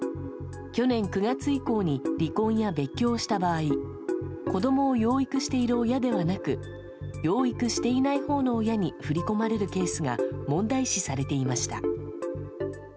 去年９月以降に離婚や別居をした場合、子どもを養育している親ではなく、養育していないほうの親に振り込まれるケースが問題視されていました。